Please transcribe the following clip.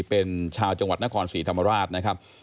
เป็นชาวจังหวัดนครศรีธรรมราชนะครับ